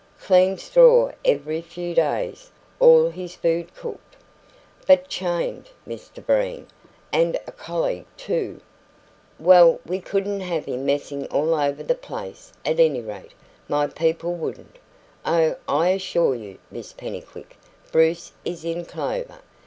"Clean straw every few days; all his food cooked " "But CHAINED, Mr Breen. And a collie, too!" "Well, we couldn't have him messing all over the place; at any rate, my people wouldn't. Oh, I assure you, Miss Pennycuick, Bruce is in clover.